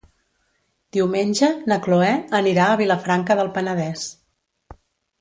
Diumenge na Cloè anirà a Vilafranca del Penedès.